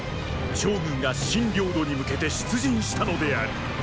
趙軍が秦領土に向けて出陣したのである。